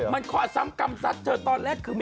มันข้อซ้ำกรรมซัดเธอตอนแรกคือ